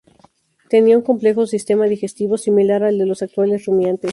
Tenía un complejo sistema digestivo, similar al de los actuales rumiantes.